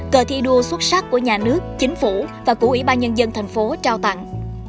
cờ thi đua xuất sắc của nhà nước chính phủ và củ ủy ban nhân dân thành phố trao tặng